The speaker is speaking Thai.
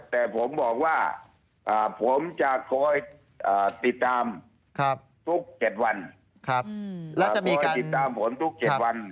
แต่ผมบอกว่าผมจะคอยติดตามทุก๗วัน